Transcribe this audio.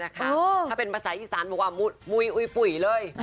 ๒๕๒๕นะคะถ้าเป็นภาษาอีกสั้นบอกว่ามุยปุ๋ยเลย